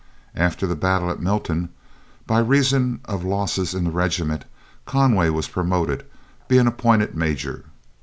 After the battle at Milton, by reason of losses in the regiment, Conway was promoted, being appointed major.